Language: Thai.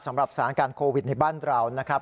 สำหรับสถานการณ์โควิดในบ้านเรานะครับ